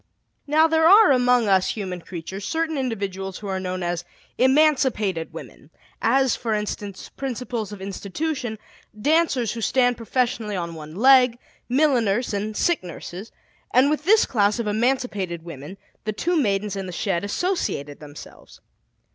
Now, there are among us human creatures certain individuals who are known as "emancipated women," as, for instance, principals of institutions, dancers who stand professionally on one leg, milliners, and sick nurses; and with this class of emancipated women the two Maidens in the shed associated themselves.